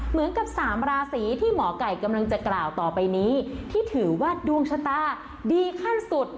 เหมือนกับสามราศีที่หมอไก่กำลังจะกล่าวต่อไปนี้ที่ถือว่าดวงชะตาดีขั้นสุด